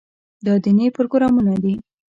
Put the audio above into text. دا دیني پروګرامونه دي.